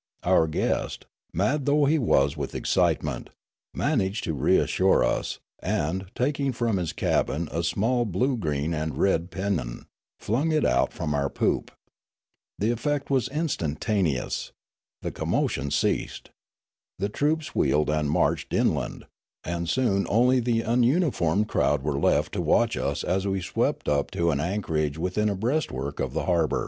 Our guest, mad though he was with excite ment, managed to reassure us, and, taking from his cabin a small blue green and red pennon, flung it out from our poop. The effect was instantaneous. The commotion ceased. The troops wheeled and marched inland, and soon only the ununiformed crowd were left to watch us as we swept up to an anchorage within a breastwork of the harbour.